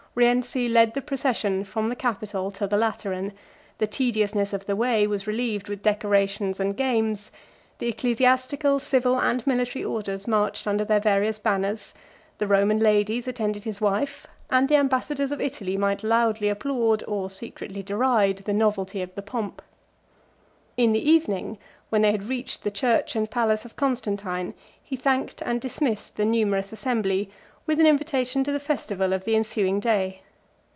Rienzi led the procession from the Capitol to the Lateran; the tediousness of the way was relieved with decorations and games; the ecclesiastical, civil, and military orders marched under their various banners; the Roman ladies attended his wife; and the ambassadors of Italy might loudly applaud or secretly deride the novelty of the pomp. In the evening, which they had reached the church and palace of Constantine, he thanked and dismissed the numerous assembly, with an invitation to the festival of the ensuing day.